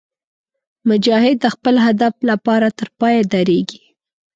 مجاهد د خپل هدف لپاره تر پایه درېږي.